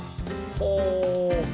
ほう。